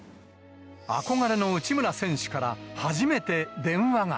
憧れの内村選手から初めて電話が。